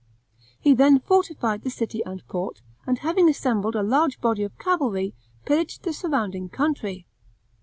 He then fortified the city and port, and having assembled a large body of cavalry, pillaged the surrounding country.